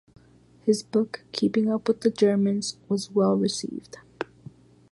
His book "Keeping Up with the Germans" was well received.